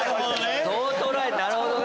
なるほどね！